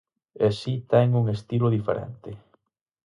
E si ten un estilo diferente.